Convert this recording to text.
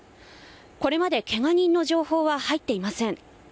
これまでケガ人の情報は入っていません。